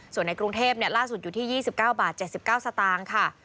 ส่วนในกรุงเทพล่าสุดอยู่ที่๒๙บาท๗๙สตางค์ค่ะ